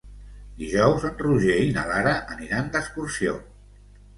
Dijous en Roger i na Lara aniran d'excursió.